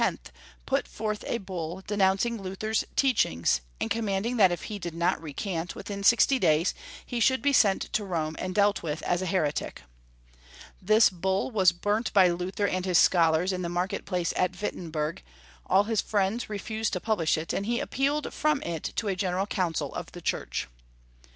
put forth a bull denouncing Luther's teaching, and commanding that if he did not re CharhB V. 273 cant within sixty days he should be sent to Rome and dealt with as a heretic. This bull was burnt by Luther and his scholars in the market place at Wittenberg, all his friends refused to publish it, and he appealed from it to a General Council of the Church.